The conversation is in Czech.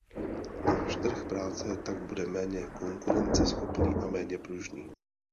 Náš trh práce tak bude méně konkurenceschopný a méně pružný.